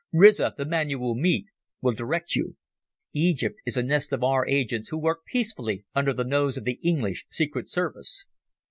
Riza, the man you will meet, will direct you. Egypt is a nest of our agents who work peacefully under the nose of the English Secret Service."